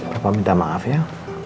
bapak minta maaf ya